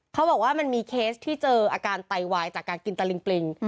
เขาบอกว่ามันมีเคสที่เจออาการไตวายจากการกินตะลิงปริง